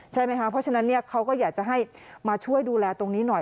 ใช่ไหมคะเพราะฉะนั้นเขาก็อยากจะให้มาช่วยดูแลตรงนี้หน่อย